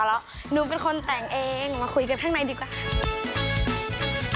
แล้วหนูเป็นคนแต่งเองมาคุยกันข้างในดีกว่า